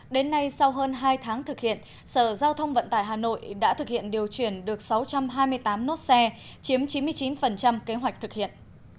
đến nay sau hơn hai tháng thực hiện sở giao thông vận tải hà nội đã thực hiện điều chuyển được sáu trăm hai mươi tám nốt xe chiếm chín mươi chín kế hoạch thực hiện